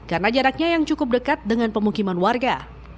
karena jaraknya yang cukup dekat dengan pemukiman warga